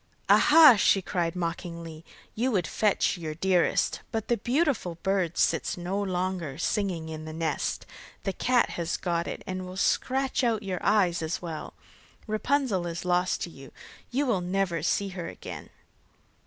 'Aha!' she cried mockingly, 'you would fetch your dearest, but the beautiful bird sits no longer singing in the nest; the cat has got it, and will scratch out your eyes as well. Rapunzel is lost to you; you will never see her again.